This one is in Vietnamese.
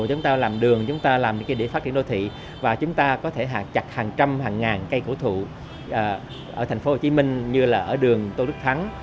chúng ta làm đường chúng ta làm những cái để phát triển đồ thị và chúng ta có thể chặt hàng trăm hàng ngàn cây cổ thụ ở thành phố hồ chí minh như là ở đường tô đức thắng